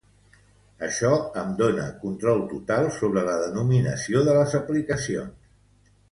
Això em dona control total sobre la denominació de les aplicacions.